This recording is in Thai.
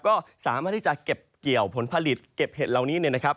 ก็สามารถที่จะเก็บเกี่ยวผลผลิตเก็บเห็ดเหล่านี้เนี่ยนะครับ